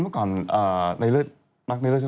เมื่อก่อนในเลือสเพื่อนมักของในเลือด